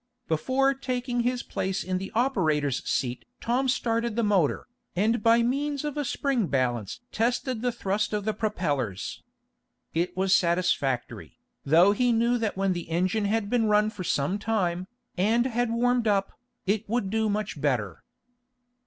Before taking his place in the operator's seat Tom started the motor, and by means of a spring balance tested the thrust of the propellers. It was satisfactory, though he knew that when the engine had been run for some time, and had warmed up, it would do much better.